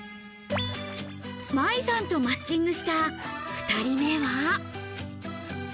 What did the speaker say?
茉依さんとマッチングした２人目は。